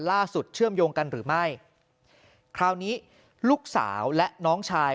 เชื่อมโยงกันหรือไม่คราวนี้ลูกสาวและน้องชาย